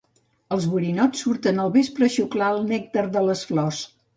Els borinots surten al vespre a xuclar el nèctar de les flors.